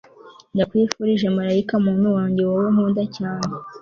ndakwifurije, malayika wumutima wanjye, wowe nkunda cyane